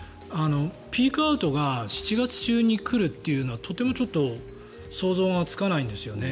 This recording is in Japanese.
ピークアウトが７月中に来るというのはとてもちょっと想像がつかないんですよね。